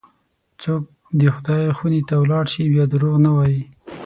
څوک چې د خدای خونې ته ولاړ شي، بیا دروغ نه وایي.